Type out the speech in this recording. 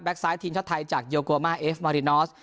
แบ็คไซด์ทีนชาติไทยจากยูโกมาเอฟมารินอส